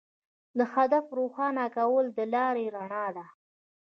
د هدف روښانه کول د لارې رڼا ده.